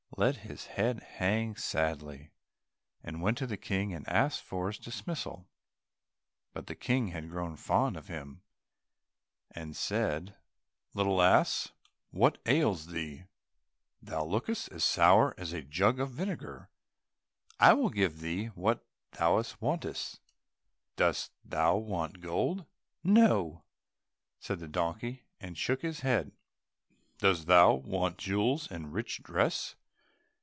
let his head hang sadly, and went to the King and asked for his dismissal. But the King had grown fond of him, and said, "Little ass, what ails thee? Thou lookest as sour as a jug of vinegar, I will give thee what thou wantest. Dost thou want gold?" "No," said the donkey, and shook his head. "Dost thou want jewels and rich dress?"